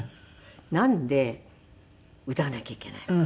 なんで歌わなきゃいけないのか。